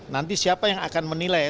nanti siapa yang akan menilai